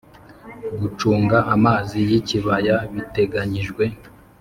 Gucunga amazi y ikibaya biteganyijwe